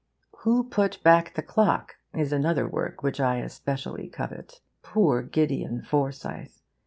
WHO PUT BACK THE CLOCK? is another work which I especially covet. Poor Gideon Forsyth!